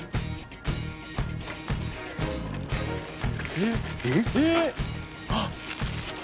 えっえっ！